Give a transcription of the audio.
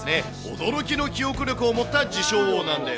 驚きの記憶力を持った自称王なんです。